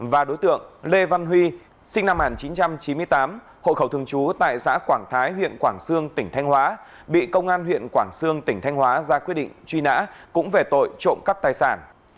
và đối tượng lê văn huy sinh năm một nghìn chín trăm chín mươi tám hộ khẩu thường trú tại xã quảng thái huyện quảng sương tỉnh thanh hóa bị công an huyện quảng sương tỉnh thanh hóa ra quyết định truy nã cũng về tội trộm cắp tài sản